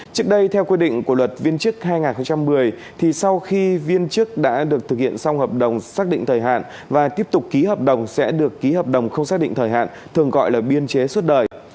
trước đây theo quy định của luật viên chức hai nghìn một mươi thì sau khi viên chức đã được thực hiện xong hợp đồng xác định thời hạn và tiếp tục ký hợp đồng sẽ được ký hợp đồng không xác định thời hạn thường gọi là biên chế suốt đời